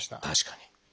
確かに。